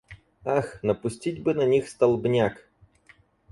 Ах, напустить бы на них столбняк!